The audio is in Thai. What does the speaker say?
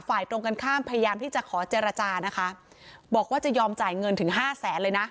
ตรงกันข้ามพยายามที่จะขอเจรจานะคะบอกว่าจะยอมจ่ายเงินถึงห้าแสนเลยนะ